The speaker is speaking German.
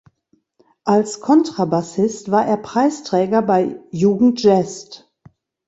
Als Kontrabassist war er Preisträger bei Jugend jazzt.